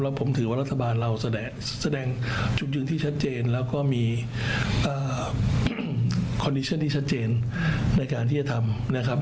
ผมถือว่ารัฐบาลเราแสดงจุดยืนที่ชัดเจนแล้วก็มีคอนดิชั่นที่ชัดเจนในการที่จะทำนะครับ